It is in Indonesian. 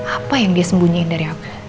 apa yang dia sembunyiin dari angga